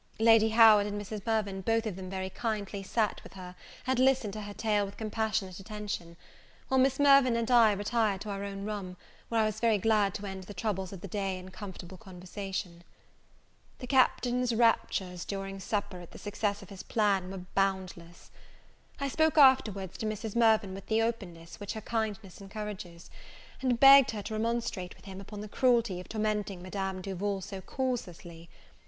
Lady Howard and Mrs. Mirvan both of them very kindly sat with her, and listened to her tale with compassionate attention: while Miss Mirvan and I retired to our own room, where I was very glad to end the troubles of the day in a comfortable conversation. The Captain's raptures, during supper, at the success of his plan, were boundless. I spoke afterwards to Mrs. Mirvan with the openness which her kindness encourages, and begged her to remonstrate with him upon the cruelty of tormenting Madame Duval so causelessly.